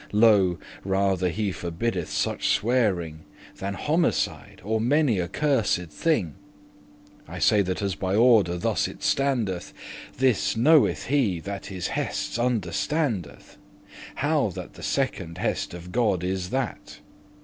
*in vain Lo, rather* he forbiddeth such swearing, *sooner Than homicide, or many a cursed thing; I say that as by order thus it standeth; This knoweth he that his hests* understandeth, *commandments How that the second hest of God is that.